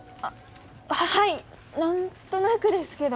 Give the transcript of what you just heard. あはい何となくですけど。